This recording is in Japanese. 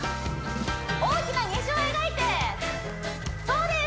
大きな虹を描いてそうです